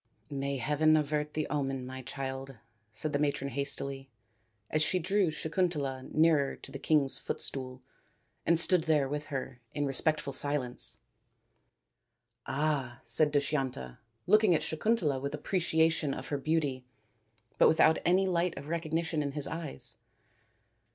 "May heaven avert the omen, my child," said the matron hastily, as she drew Sakuntala nearer to the king's 234 THE INDIAN STORY BOOK footstool and stood there with her in respectful silence. " Ah," said Dushyanta, looking at Sakuntala with appreciation of her beauty but without any light of recognition in his eyes.